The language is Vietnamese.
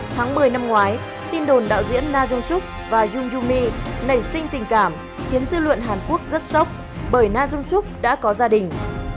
tháng một mươi năm ngoái tin đồn đạo diễn na jung suk và jung yoo mi nảy sinh tình cảm khiến dư luận hàn quốc rất sốc bởi na jung suk đã có gia đình